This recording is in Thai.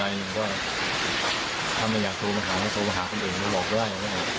ถ้ามันอยากโทรมาหาต้องโทรมาหาคนอื่นบอกด้วย